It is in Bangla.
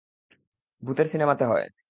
ভুতের সিনেমাতে হয়।